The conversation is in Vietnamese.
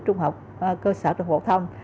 trung học cơ sở trường phổ thông